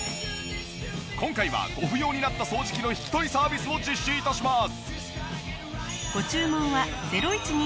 今回はご不要になった掃除機の引き取りサービスも実施致します。